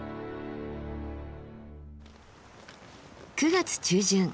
９月中旬。